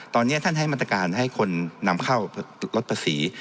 ตอนนี้ท่านให้มาตรการให้คนนำเข้าลดภาษี